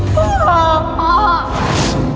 พ่อจับไป